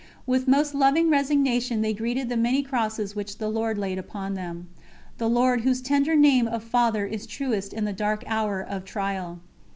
With most loving resignation they greeted the many crosses which the Lord laid upon them the Lord whose tender name of Father is truest in the dark hour of trial.